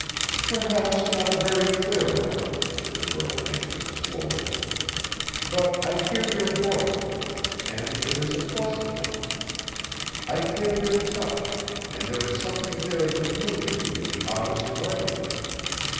"Perhaps not a very clear one," the girl answered slowly. "But I hear your voice, and it is a pleasant one. I feel your touch, and there is something there that moves me in the oddest way.